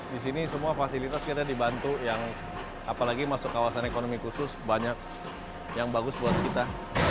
di sini semua fasilitas kita dibantu yang apalagi masuk kawasan ekonomi khusus banyak yang bagus buat kita